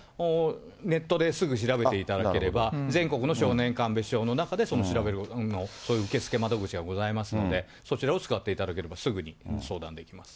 ネットですぐ調べていただければ、全国の少年鑑別所の中でそういう受付窓口がございますので、そちらを使っていただければすぐに相談できます。